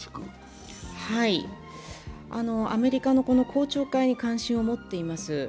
アメリカの公聴会に関心を持っています。